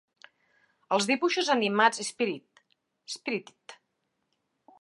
Els dibuixos animats Spirit. Spirited.